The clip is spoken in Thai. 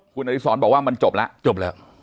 คุณอฤษฐ์บอกว่ามันจบแล้ว